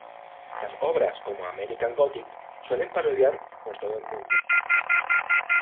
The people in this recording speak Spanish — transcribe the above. Las obras como American Gothic suelen parodiar por todo el mundo.